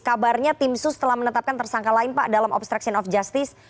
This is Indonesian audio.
kabarnya tim sus telah menetapkan tersangka lain pak dalam obstruction of justice